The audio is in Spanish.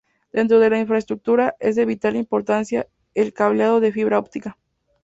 Dentro de la infraestructura es de vital importancia el cableado de fibra óptica.